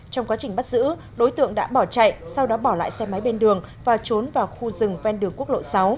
trong quá trình bắt giữ đối tượng đã bỏ chạy sau đó bỏ lại xe máy bên đường và trốn vào khu rừng ven đường quốc lộ sáu